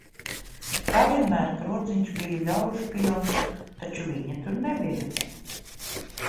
Kā vienmēr, krodziņš bija ļaužu pilns, taču viņa tur nebija.